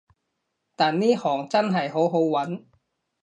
但呢行真係好好搵